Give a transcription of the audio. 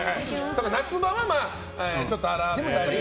夏場はちょっと洗ったり。